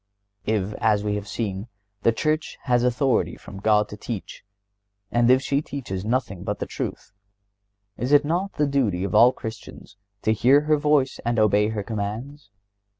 If, as we have seen, the Church has authority from God to teach, and if she teaches nothing but the truth, is it not the duty of all Christians to hear her voice and obey her commands?